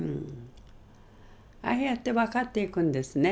ああやって分かっていくんですね。